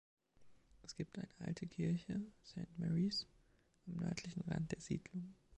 Es gibt eine alte Kirche, Saint Mary's am nördlichen Rand der Siedlung.